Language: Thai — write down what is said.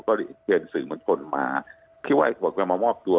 ก็เยินสื่อมงจลมาเขาบอกมามอบตัว